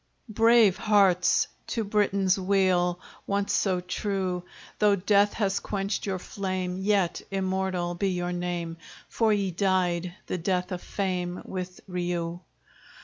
Brave hearts, to Britain's weal Once so true! Though death has quenched your flame, Yet immortal be your name! For ye died the death of fame With Riou!